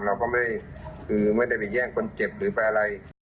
เราก็ไม่ได้ไปแย่งคนเจ็บหรือเปล่าอะไร